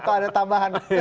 atau ada tambahan